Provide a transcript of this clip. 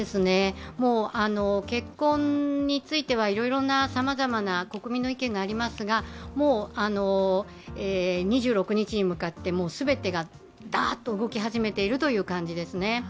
結婚についてはいろいろな、さまざまな込みの意見がありますが、もう２６日に向かって全てがダーッと動き始めている感じですね。